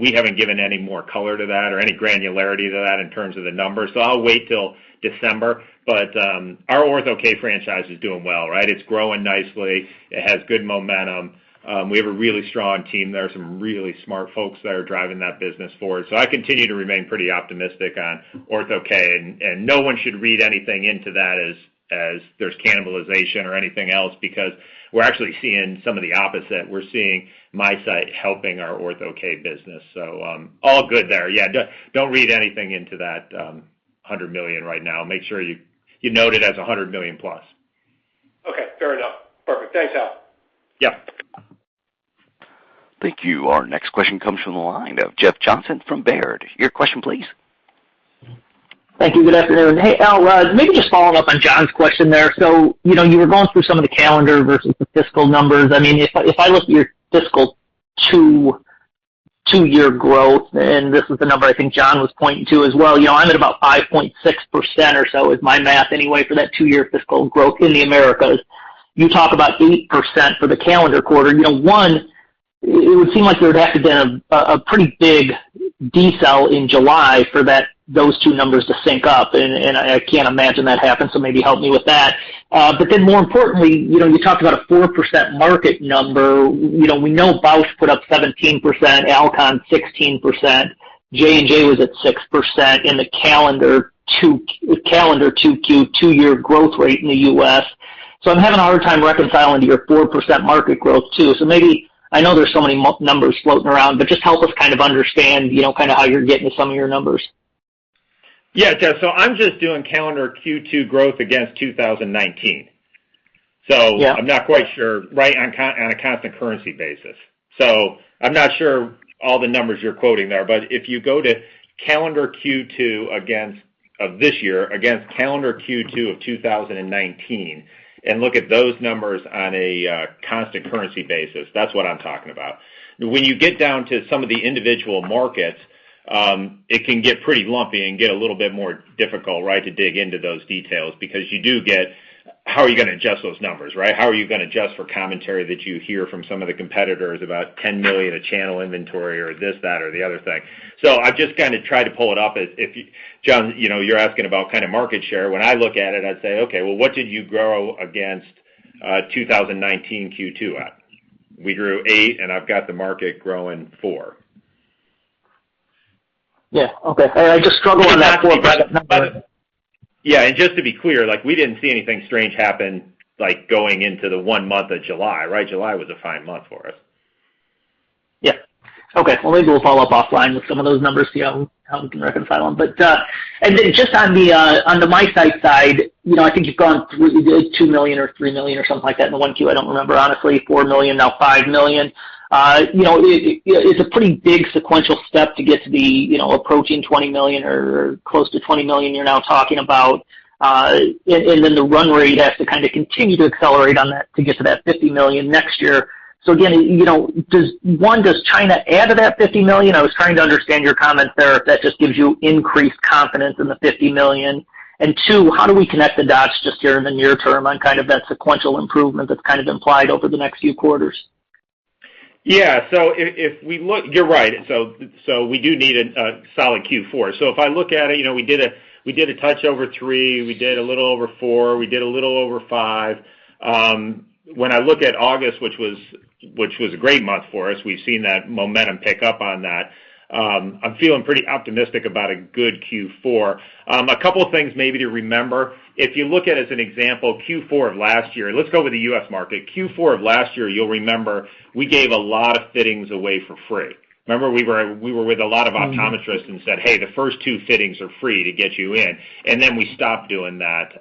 Speaker 3: We haven't given any more color to that or any granularity to that in terms of the numbers. I'll wait till December, but our Ortho-K franchise is doing well. It's growing nicely. It has good momentum. We have a really strong team there, some really smart folks that are driving that business forward. I continue to remain pretty optimistic on Ortho-K. No one should read anything into that as there's cannibalization or anything else because we're actually seeing some of the opposite. We're seeing MiSight helping our Ortho-K business. All good there. Don't read anything into that $100 million right now. Make sure you note it as $100 million plus.
Speaker 9: Okay, fair enough. Perfect. Thanks, Al.
Speaker 3: Yeah.
Speaker 1: Thank you. Our next question comes from the line of Jeff Johnson from Baird. Your question please.
Speaker 10: Thank you. Good afternoon. Hey, Al White. Maybe just following up on Jon Block's question there. You were going through some of the calendar versus the fiscal numbers. If I look at your fiscal two-year growth, and this is the number I think Jon Block was pointing to as well, I'm at about 5.6% or so, is my math anyway, for that two-year fiscal growth in the Americas. You talk about 8% for the calendar quarter. One, it would seem like there would have to have been a pretty big decel in July for those two numbers to sync up, and I can't imagine that happened, maybe help me with that. More importantly, you talked about a 4% market number. We know Bausch + Lomb put up 17%, Alcon 16%, J&J was at 6% in the calendar two-year growth rate in the U.S. I'm having a hard time reconciling your 4% market growth too. I know there's so many numbers floating around, but just help us kind of understand how you're getting to some of your numbers.
Speaker 3: Yeah, Jeff. I'm just doing calendar Q2 growth against 2019.
Speaker 10: Yeah.
Speaker 3: I'm not sure all the numbers you're quoting there, but if you go to calendar Q2 of this year against calendar Q2 of 2019, and look at those numbers on a constant currency basis, that's what I'm talking about. When you get down to some of the individual markets, it can get pretty lumpy and get a little bit more difficult to dig into those details because you do get, how are you going to adjust those numbers? How are you going to adjust for commentary that you hear from some of the competitors about $10 million of channel inventory or this, that, or the other thing. I've just kind of tried to pull it up. Jeff, you're asking about kind of market share. When I look at it, I'd say, "Okay, well, what did you grow against 2019 Q2 at?" We grew 8%, and I've got the market growing 4%.
Speaker 10: Yeah. Okay. I just struggle with that 4% number.
Speaker 3: Yeah, just to be clear, we didn't see anything strange happen going into the one month of July, right? July was a fine month for us.
Speaker 10: Yeah. Okay. Well maybe we'll follow up offline with some of those numbers, see how we can reconcile them. Then just on the MiSight side, I think you've gone $2 million or $3 million or something like that in the 1Q, I don't remember honestly, $4 million, now $5 million. It's a pretty big sequential step to get to be approaching $20 million or close to $20 million you're now talking about. Then the run rate has to kind of continue to accelerate on that to get to that $50 million next year. Again, one, does China add to that $50 million? I was trying to understand your comment there, if that just gives you increased confidence in the $50 million. Two, how do we connect the dots just here in the near term on kind of that sequential improvement that's kind of implied over the next few quarters?
Speaker 3: You're right. We do need a solid Q4. If I look at it, we did a touch over three, we did a little over four, we did a little over five. When I look at August, which was a great month for us, we've seen that momentum pick up on that. I'm feeling pretty optimistic about a good Q4. A couple of things maybe to remember. If you look at, as an example, Q4 of last year, let's go with the U.S. market. Q4 of last year, you'll remember we gave a lot of fittings away for free. Remember we were with a lot of optometrists and said, "Hey, the first two fittings are free to get you in." Then we stopped doing that.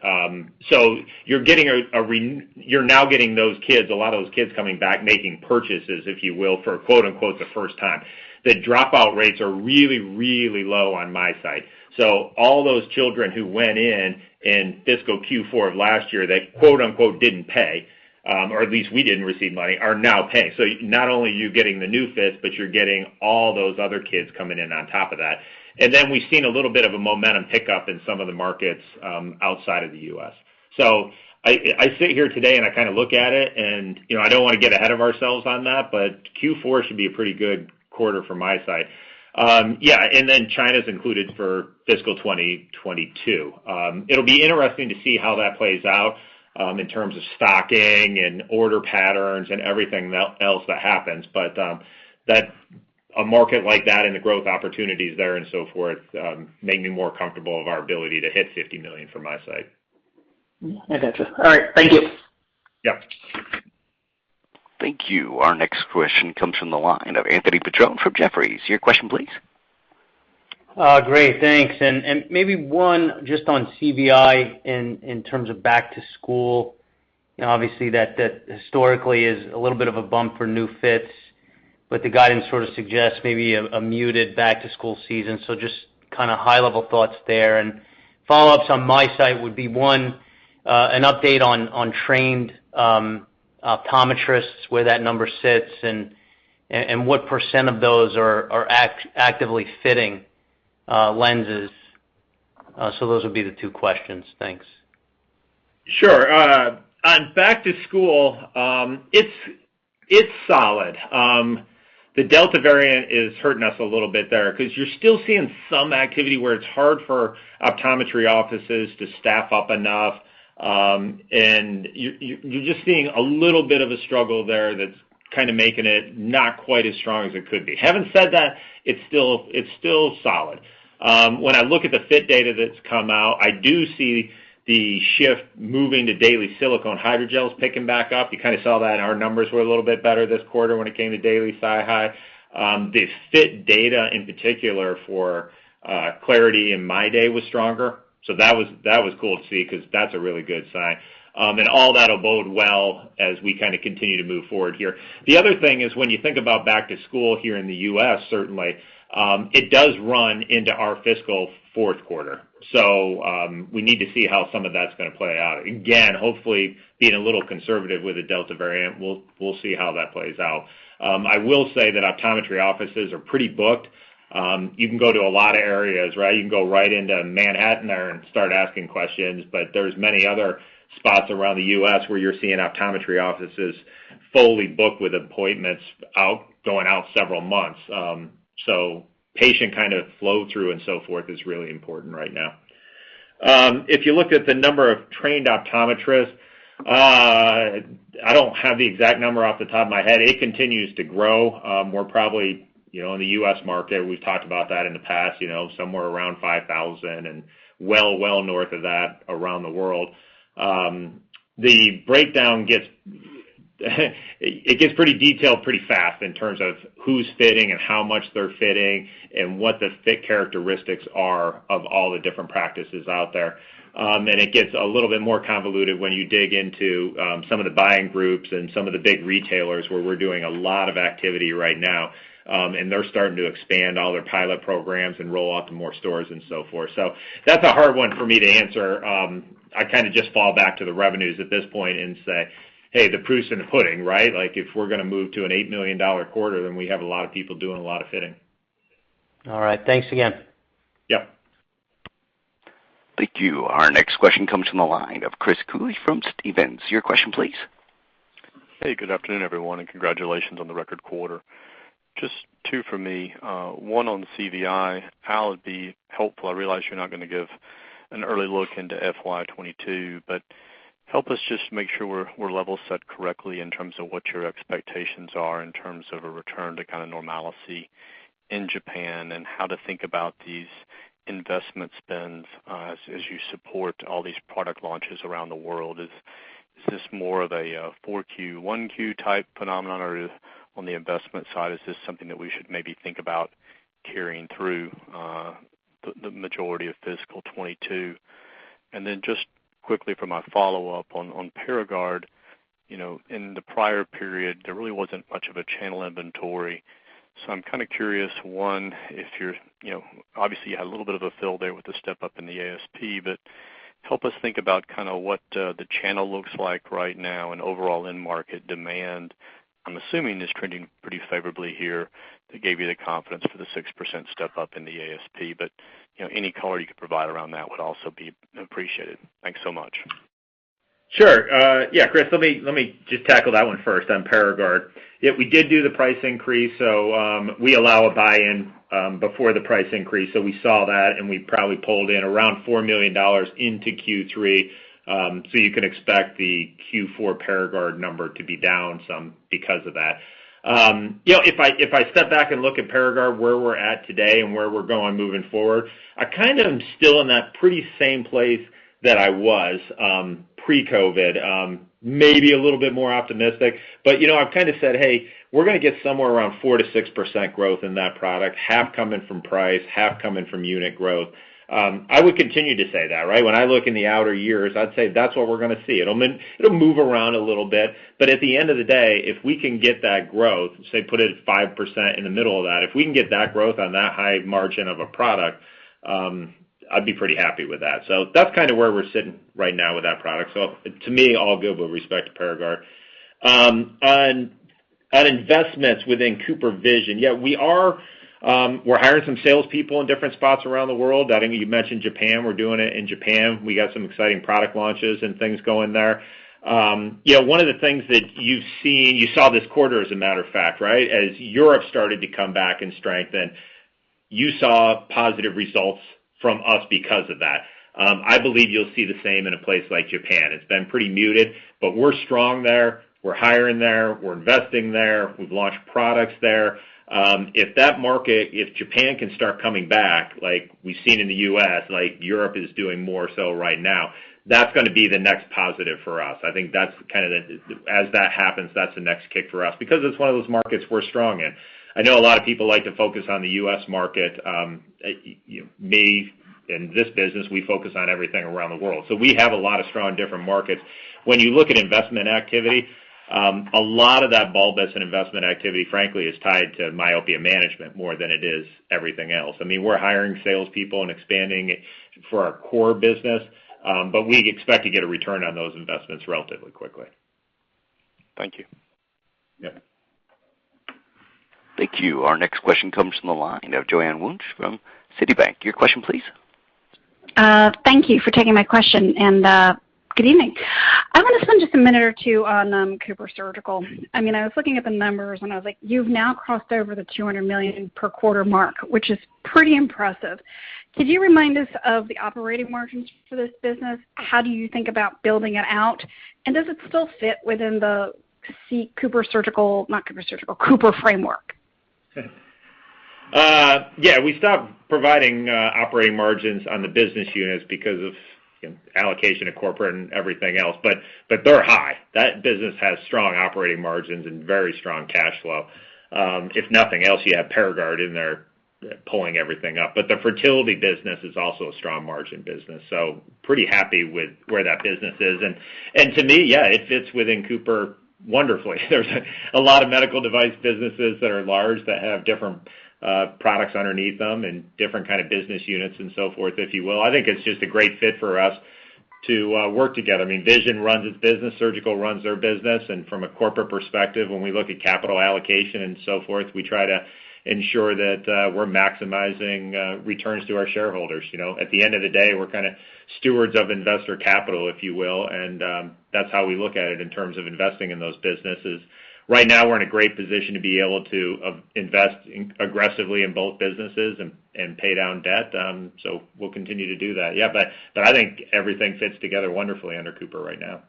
Speaker 3: You're now getting a lot of those kids coming back, making purchases, if you will, for a quote, unquote, "the first time." The dropout rates are really, really low on MiSight. All those children who went in in fiscal Q4 of last year that, quote, unquote, "didn't pay," or at least we didn't receive money, are now paying. Not only are you getting the new fits, but you're getting all those other kids coming in on top of that. We've seen a little bit of a momentum pick up in some of the markets outside of the U.S. I sit here today and I kind of look at it and I don't want to get ahead of ourselves on that, but Q4 should be a pretty good quarter for MiSight. Yeah, China's included for fiscal 2022. It'll be interesting to see how that plays out in terms of stocking and order patterns and everything else that happens. A market like that and the growth opportunities there and so forth make me more comfortable of our ability to hit $50 million for MiSight.
Speaker 10: I got you. All right. Thank you.
Speaker 3: Yeah.
Speaker 1: Thank you. Our next question comes from the line of Anthony Petrone from Jefferies. Your question please.
Speaker 11: Great, thanks. Maybe one just on CVI in terms of back to school. Obviously that historically is a little bit of a bump for new fits, but the guidance sort of suggests maybe a muted back to school season. Just kind of high-level thoughts there. Follow-ups on MiSight would be, one, an update on trained optometrists, where that number sits, and what % of those are actively fitting lenses. Those would be the two questions. Thanks.
Speaker 3: Sure. Back to school, it's solid. The Delta variant is hurting us a little bit there because you're still seeing some activity where it's hard for optometry offices to staff up enough. You're just seeing a little bit of a struggle there that's kind of making it not quite as strong as it could be. Having said that, it's still solid. When I look at the fit data that's come out, I do see the shift moving to daily silicone hydrogels picking back up. You kind of saw that in our numbers were a little bit better this quarter when it came to daily SiHy. The fit data, in particular for clariti and MyDay was stronger. That was cool to see, because that's a really good sign. All that'll bode well as we kind of continue to move forward here. The other thing is, when you think about back to school here in the U.S., certainly, it does run into our fiscal fourth quarter. We need to see how some of that's going to play out. Again, hopefully being a little conservative with the Delta variant. We'll see how that plays out. I will say that optometry offices are pretty booked. You can go to a lot of areas, right? You can go right into Manhattan there and start asking questions, but there's many other spots around the U.S. where you're seeing optometry offices fully booked with appointments going out several months. Patient kind of flow through and so forth is really important right now. If you look at the number of trained optometrists, I don't have the exact number off the top of my head. It continues to grow. We're probably, in the U.S. market, we've talked about that in the past, somewhere around 5,000 and well north of that around the world. The breakdown, it gets pretty detailed pretty fast in terms of who's fitting and how much they're fitting and what the fit characteristics are of all the different practices out there. It gets a little bit more convoluted when you dig into some of the buying groups and some of the big retailers where we're doing a lot of activity right now, and they're starting to expand all their pilot programs and roll out to more stores and so forth. That's a hard one for me to answer. I kind of just fall back to the revenues at this point and say, "Hey, the proof's in the pudding," right? If we're going to move to an $8 million quarter, then we have a lot of people doing a lot of fitting.
Speaker 11: All right. Thanks again.
Speaker 3: Yep.
Speaker 1: Thank you. Our next question comes from the line of Chris Cooley from Stephens. Your question, please.
Speaker 12: Hey, good afternoon, everyone, and congratulations on the record quarter. Just two from me. One on CVI. Al, it'd be helpful, I realize you're not going to give an early look into FY 2022, but help us just make sure we're level set correctly in terms of what your expectations are in terms of a return to kind of normalcy in Japan and how to think about these investment spends as you support all these product launches around the world. Is this more of a 4Q, 1Q type phenomenon, or on the investment side, is this something that we should maybe think about carrying through the majority of fiscal 2022? Just quickly for my follow-up on Paragard, in the prior period, there really wasn't much of a channel inventory. I'm kind of curious, one, obviously you had a little bit of a fill there with the step-up in the ASP, help us think about kind of what the channel looks like right now and overall end market demand. I'm assuming it's trending pretty favorably here. That gave you the confidence for the 6% step-up in the ASP, any color you could provide around that would also be appreciated. Thanks so much.
Speaker 3: Sure. Chris, let me just tackle that one first on Paragard. We did do the price increase. We allow a buy-in before the price increase. We saw that. We probably pulled in around $4 million into Q3. You can expect the Q4 Paragard number to be down some because of that. If I step back and look at Paragard, where we're at today and where we're going moving forward, I kind of am still in that pretty same place that I was pre-COVID. Maybe a little bit more optimistic. I've kind of said, "Hey, we're going to get somewhere around 4%-6% growth in that product, half coming from price, half coming from unit growth." I would continue to say that, right? When I look in the outer years, I'd say that's what we're going to see. At the end of the day, if we can get that growth, say put it at 5% in the middle of that, if we can get that growth on that high margin of a product, I'd be pretty happy with that. That's kind of where we're sitting right now with that product. To me, all good with respect to Paragard. On investments within CooperVision, yeah, we're hiring some salespeople in different spots around the world. You mentioned Japan, we're doing it in Japan. We got some exciting product launches and things going there. One of the things that you've seen, you saw this quarter, as a matter of fact, right? As Europe started to come back and strengthen, you saw positive results from us because of that. I believe you'll see the same in a place like Japan. It's been pretty muted, but we're strong there. We're hiring there. We're investing there. We've launched products there. If Japan can start coming back, like we've seen in the U.S., like Europe is doing more so right now, that's going to be the next positive for us. I think as that happens, that's the next kick for us because it's one of those markets we're strong in. I know a lot of people like to focus on the U.S. market. Me, in this business, we focus on everything around the world. We have a lot of strong different markets. When you look at investment activity, a lot of that robust investment activity, frankly, is tied to myopia management more than it is everything else. I mean, we're hiring salespeople and expanding for our core business, but we expect to get a return on those investments relatively quickly.
Speaker 12: Thank you.
Speaker 3: Yeah.
Speaker 1: Thank you. Our next question comes from the line of Joanne Wuensch from Citigroup. Your question, please.
Speaker 13: Thank you for taking my question. Good evening. Just a minute or two on CooperSurgical. I was looking at the numbers and I was like, you've now crossed over the $200 million per quarter mark, which is pretty impressive. Could you remind us of the operating margins for this business? How do you think about building it out? Does it still fit within the Cooper framework?
Speaker 3: Yeah, we stopped providing operating margins on the business units because of allocation of corporate and everything else. They're high. That business has strong operating margins and very strong cash flow. If nothing else, you have Paragard in there pulling everything up. The fertility business is also a strong margin business. Pretty happy with where that business is. To me, yeah, it fits within Cooper wonderfully. There's a lot of medical device businesses that are large that have different products underneath them and different kind of business units and so forth, if you will. I think it's just a great fit for us to work together. Vision runs its business, Surgical runs their business, from a corporate perspective, when we look at capital allocation and so forth, we try to ensure that we're maximizing returns to our shareholders. At the end of the day, we're kind of stewards of investor capital, if you will, and that's how we look at it in terms of investing in those businesses. Right now, we're in a great position to be able to invest aggressively in both businesses and pay down debt, so we'll continue to do that. Yeah, I think everything fits together wonderfully under Cooper right now.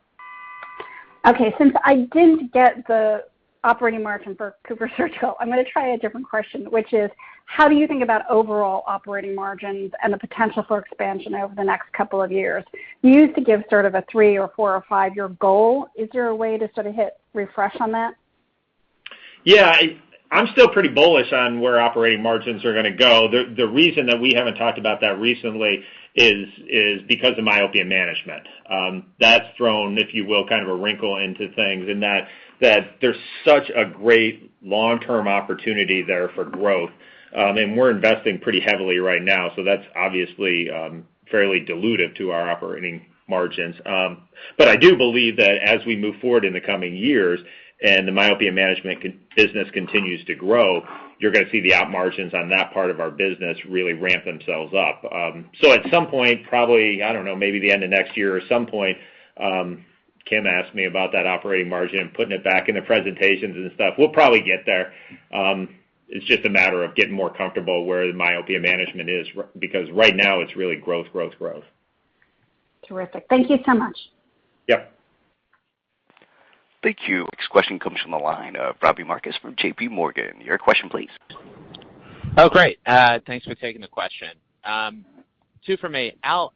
Speaker 13: Okay. Since I didn't get the operating margin for CooperSurgical, I'm going to try a different question, which is: How do you think about overall operating margins and the potential for expansion over the next couple of years? You used to give sort of a three or four or five-year goal. Is there a way to sort of hit refresh on that?
Speaker 3: Yeah. I'm still pretty bullish on where operating margins are going to go. The reason that we haven't talked about that recently is because of myopia management. That's thrown, if you will, kind of a wrinkle into things in that there's such a great long-term opportunity there for growth, and we're investing pretty heavily right now, so that's obviously fairly dilutive to our operating margins. I do believe that as we move forward in the coming years and the myopia management business continues to grow, you're going to see the op margins on that part of our business really ramp themselves up. At some point, probably, I don't know, maybe the end of next year or some point, Kim asked me about that operating margin and putting it back in the presentations and stuff. We'll probably get there. It's just a matter of getting more comfortable where the myopia management is, because right now it's really growth.
Speaker 13: Terrific. Thank you so much.
Speaker 3: Yeah.
Speaker 1: Thank you. Next question comes from the line of Robbie Marcus from JPMorgan. Your question, please.
Speaker 14: Oh, great. Thanks for taking the question. Two from me, Al.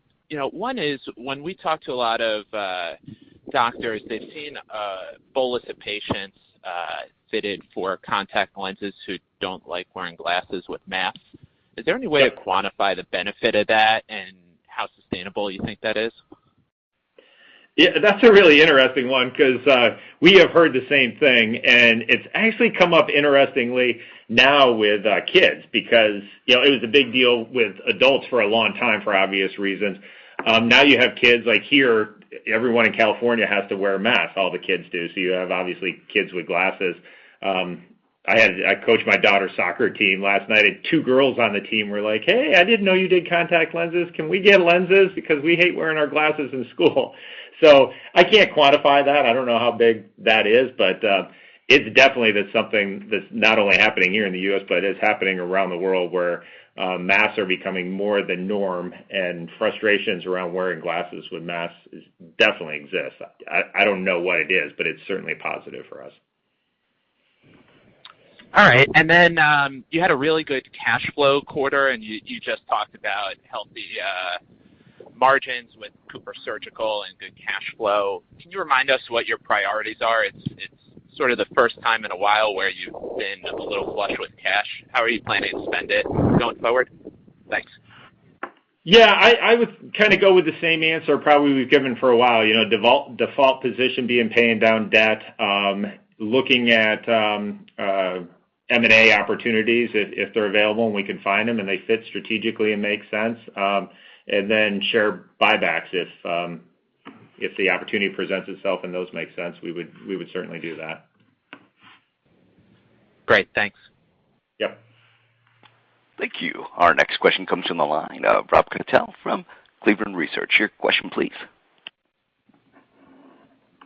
Speaker 14: One is, when we talk to a lot of doctors, they've seen a bolus of patients fitted for contact lenses who don't like wearing glasses with masks. Is there any way to quantify the benefit of that and how sustainable you think that is?
Speaker 3: Yeah, that's a really interesting one, because we have heard the same thing, and it's actually come up interestingly now with kids, because it was a big deal with adults for a long time for obvious reasons. Now you have kids, like here, everyone in California has to wear a mask, all the kids do. You have obviously kids with glasses. I coached my daughter's soccer team last night, and two girls on the team were like, "Hey, I didn't know you did contact lenses. Can we get lenses? Because we hate wearing our glasses in school." I can't quantify that. I don't know how big that is, but it's definitely something that's not only happening here in the U.S., but is happening around the world, where masks are becoming more the norm and frustrations around wearing glasses with masks definitely exist. I don't know what it is, but it's certainly positive for us.
Speaker 14: All right. You had a really good cash flow quarter, and you just talked about healthy margins with CooperSurgical and good cash flow. Can you remind us what your priorities are? It's sort of the first time in a while where you've been a little flush with cash. How are you planning to spend it going forward? Thanks.
Speaker 3: Yeah, I would kind of go with the same answer probably we've given for a while, default position being paying down debt, looking at M&A opportunities if they're available and we can find them and they fit strategically and make sense. Then share buybacks if the opportunity presents itself and those make sense, we would certainly do that.
Speaker 14: Great. Thanks.
Speaker 3: Yeah.
Speaker 1: Thank you. Our next question comes from the line of Robert Cottrell from Cleveland Research Company. Your question, please.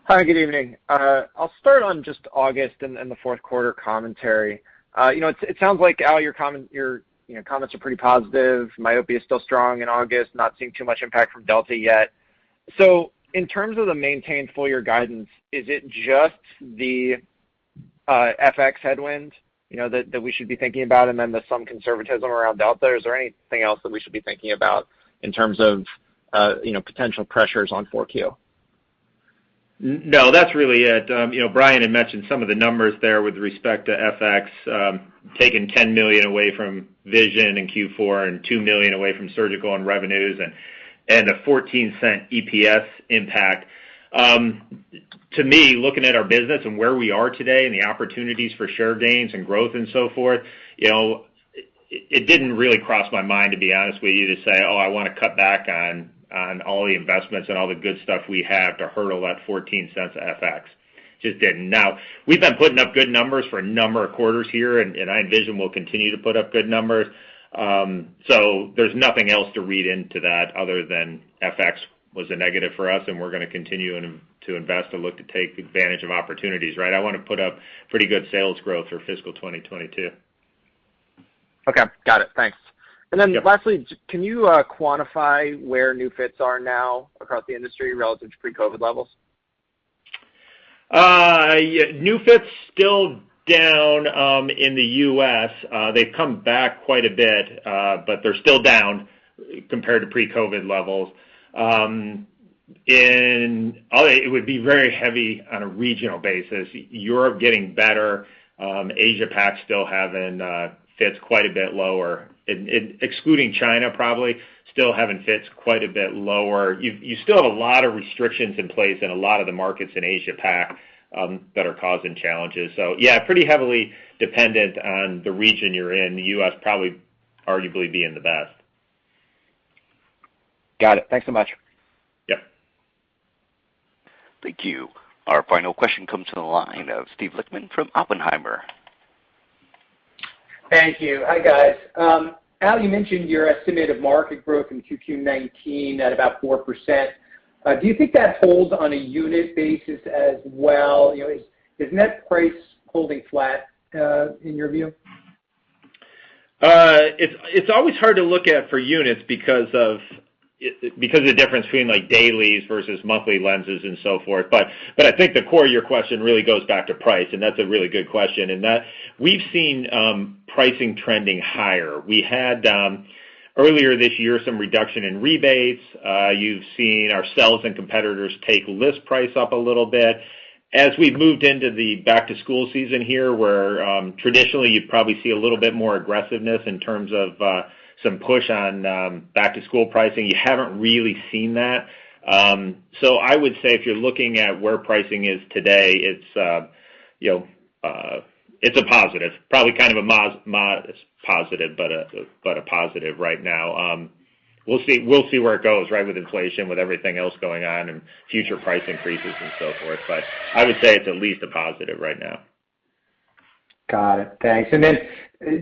Speaker 15: Hi, good evening. I'll start on just August and the fourth quarter commentary. It sounds like, Al, your comments are pretty positive. myopia is still strong in August, not seeing too much impact from Delta yet. In terms of the maintained full year guidance, is it just the FX headwind that we should be thinking about and then there's some conservatism around Delta? Is there anything else that we should be thinking about in terms of potential pressures on 4Q?
Speaker 3: No, that's really it. Brian had mentioned some of the numbers there with respect to FX, taking $10 million away from vision in Q4 and $2 million away from surgical and revenues and a $0.14 EPS impact. To me, looking at our business and where we are today and the opportunities for share gains and growth and so forth, it didn't really cross my mind, to be honest with you, to say, "Oh, I want to cut back on all the investments and all the good stuff we have to hurdle that $0.14 of FX." Just didn't. We've been putting up good numbers for a number of quarters here, and I envision we'll continue to put up good numbers. There's nothing else to read into that other than FX was a negative for us, and we're going to continue to invest and look to take advantage of opportunities, right? I want to put up pretty good sales growth for fiscal 2022.
Speaker 15: Okay. Got it. Thanks.
Speaker 3: Yep.
Speaker 15: Lastly, can you quantify where new fits are now across the industry relative to pre-COVID levels?
Speaker 3: Yeah. New fits still down in the U.S. They've come back quite a bit, but they're still down compared to pre-COVID levels. It would be very heavy on a regional basis. Europe getting better. Asia Pac still having fits quite a bit lower. Excluding China probably, still having fits quite a bit lower. You still have a lot of restrictions in place in a lot of the markets in Asia Pac that are causing challenges. Yeah, pretty heavily dependent on the region you're in. The U.S. probably arguably being the best.
Speaker 15: Got it. Thanks so much.
Speaker 3: Yep.
Speaker 1: Thank you. Our final question comes to the line of Steve Lichtman from Oppenheimer.
Speaker 16: Thank you. Hi, guys. Al, you mentioned your estimated market growth in Q19 at about 4%. Do you think that holds on a unit basis as well? Is net price holding flat, in your view?
Speaker 3: It's always hard to look at for units because of the difference between dailies versus monthly lenses and so forth. I think the core of your question really goes back to price, and that's a really good question. That we've seen pricing trending higher. We had, earlier this year, some reduction in rebates. You've seen ourselves and competitors take list price up a little bit. As we've moved into the back-to-school season here, where traditionally you'd probably see a little bit more aggressiveness in terms of some push on back-to-school pricing, you haven't really seen that. I would say if you're looking at where pricing is today, it's a positive. Probably kind of a modest positive, but a positive right now. We'll see where it goes, right, with inflation, with everything else going on, and future price increases and so forth. I would say it's at least a positive right now.
Speaker 16: Got it. Thanks.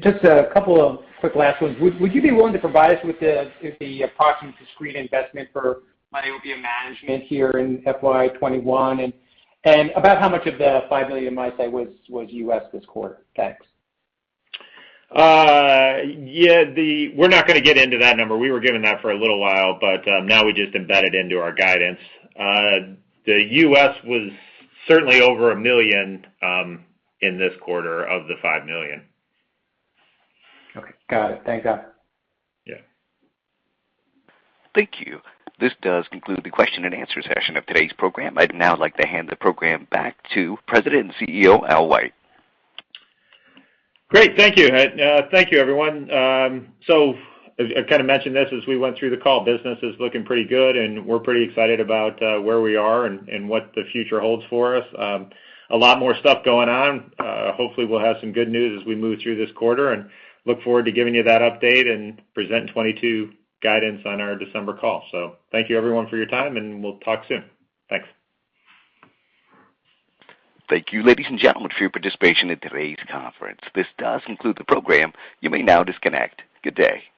Speaker 16: Just a couple of quick last ones. Would you be willing to provide us with the approximate discrete investment for myopia management here in FY 2021? About how much of the $5 million, might I say, was U.S. this quarter? Thanks.
Speaker 3: We're not going to get into that number. We were giving that for a little while, but now we just embed it into our guidance. The U.S. was certainly over $1 million in this quarter of the $5 million.
Speaker 16: Okay. Got it. Thanks, Al.
Speaker 3: Yeah.
Speaker 1: Thank you. This does conclude the question and answer session of today's program. I'd now like to hand the program back to President and CEO, Al White.
Speaker 3: Great. Thank you. Thank you, everyone. I kind of mentioned this as we went through the call. Business is looking pretty good, and we're pretty excited about where we are and what the future holds for us. A lot more stuff going on. Hopefully, we'll have some good news as we move through this quarter, and look forward to giving you that update and present 2022 guidance on our December call. Thank you everyone for your time, and we'll talk soon. Thanks.
Speaker 1: Thank you, ladies and gentlemen, for your participation in today's conference. This does conclude the program. You may now disconnect. Good day.